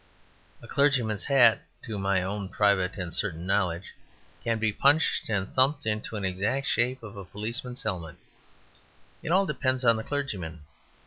A clergyman's hat (to my own private and certain knowledge) can be punched and thumped into the exact shape of a policeman's helmet; it all depends on the clergyman.